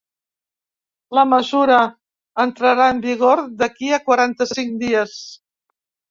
La mesura entrarà en vigor d’aquí a quaranta-cinc dies.